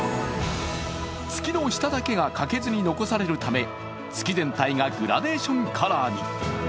月の下だけが欠けずに残されるため月全体がグラデーションカラーに。